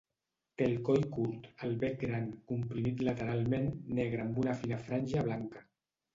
Té el Coll curt, el bec gran, comprimit lateralment, negre amb una fina franja blanca.